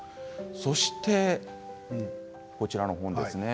そして、こちらの本です。